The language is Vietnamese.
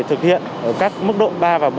thực hiện ở các mức độ ba và bốn